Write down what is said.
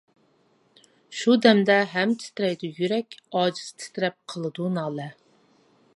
شۇ دەمدە ھەم تىترەيدۇ يۈرەك، ئاجىز تىترەپ قىلىدۇ نالە.